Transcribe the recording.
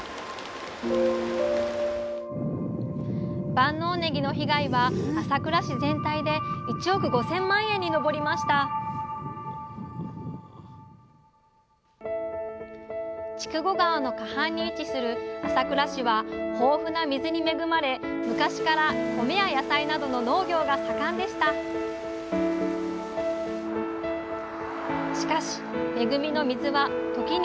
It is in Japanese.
万能ねぎの被害は朝倉市全体で１億５，０００万円に上りました筑後川の河畔に位置する朝倉市は豊富な水に恵まれ昔から米や野菜などの農業が盛んでしたしかし恵みの水は時に牙をむきます。